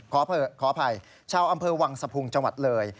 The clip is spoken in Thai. ขออภัยชาวอำเภอวังสะพุงจังหวัดเลย